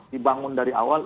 dibangun dari awal